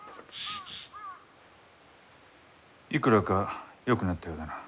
いくらかよくなったようだな。